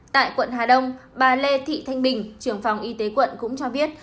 tại quận hà đông bà lê thị thanh bình trưởng phòng y tế quận cũng cho biết